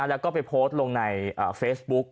แล้วก็ไปโพสต์ลงในเฟซบุ๊ก